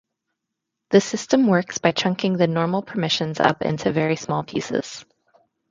The system works by chunking the normal permissions up into very small pieces.